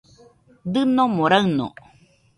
Dɨnomo raɨno